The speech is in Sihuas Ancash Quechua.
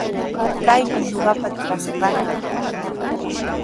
Kaymi ñuqapa trakraaqa.